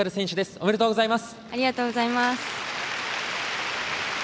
ありがとうございます。